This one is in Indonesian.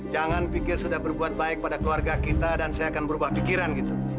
jangan pikir sudah berbuat baik pada keluarga kita dan saya akan berubah pikiran gitu